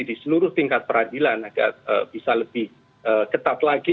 di seluruh tingkat peradilan agar bisa lebih ketat lagi